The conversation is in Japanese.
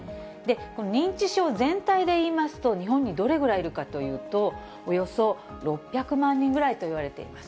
この認知症全体でいいますと、日本にどれぐらいいるかというと、およそ６００万人ぐらいといわれています。